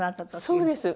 そうです。